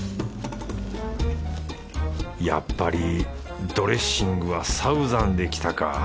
やっぱりドレッシングはサウザンできたか。